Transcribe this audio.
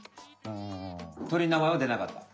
鳥の名前はでなかった？